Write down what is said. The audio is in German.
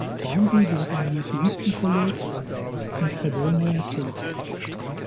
Grandi wurde am Jesuiten-Kolleg in Cremona erzogen.